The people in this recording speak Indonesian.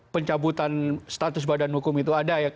pencabutan status badan hukum itu ada